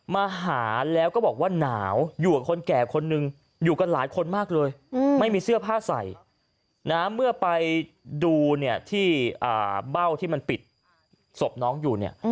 มาหาแล้วก็บอกว่าหนาวอยู่กับคนแก่คนหนึ่งอยู่กับหลายคนมากเลย